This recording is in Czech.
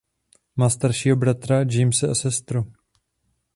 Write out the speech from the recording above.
Má staršího bratra Jamese a sestru.